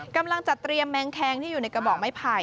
กำลังจัดเตรียมแมงแคงที่อยู่ในกระบอกไม้ไผ่